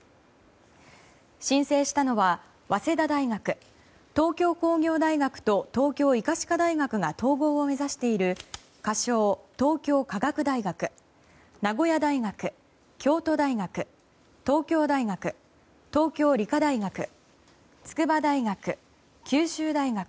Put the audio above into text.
申請したのは早稲田大学、東京工業大学と東京医科歯科大学が統合を目指している仮称・東京科学大学名古屋大学、京都大学東京大学、東京理科大学筑波大学、九州大学